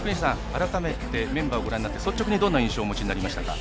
改めてメンバーご覧になって率直に、どんな印象をお持ちになりましたか？